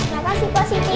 makasih mpok siti